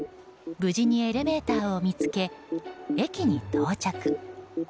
無事にエレベーターを見つけ駅に到着。